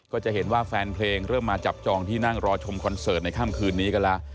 ก็จะเห็นว่าแฟนเพลงเริ่มมาจับจองที่นั่งรอชมคอนเสิร์ตในค่ำคืนนี้กันแล้ว